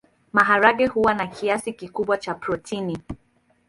Maharagwe huwa na kiasi kikubwa cha protini.